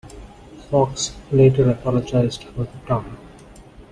Fox later apologized for the term.